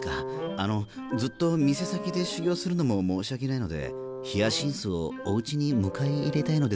あのずっと店先で修業するのも申し訳ないのでヒアシンスをおうちに迎え入れたいのですが。